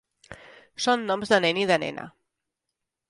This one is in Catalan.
Són noms de nen i de nena.